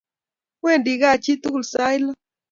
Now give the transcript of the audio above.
Wendi kaa chi tukul sait lo